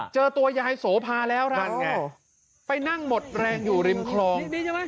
เจอตัวยายโสภาแล้วล่ะไปนั่งหมดแรงอยู่ริมคลอง